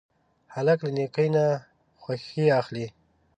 هلک له نیکۍ نه خوښي اخلي.